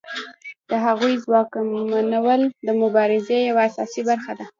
د هغوی ځواکمنول د مبارزې یوه اساسي برخه ده.